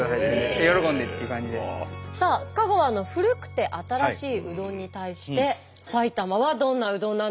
さあ香川の古くて新しいうどんに対して埼玉はどんなうどんなんでしょうか？